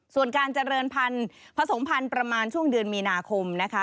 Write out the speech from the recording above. ส่วนการเจริญผันก็สงผันประมาณช่วงเดือนมีนาคมนะคะ